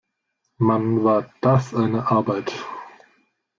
Mann, war das eine Arbeit!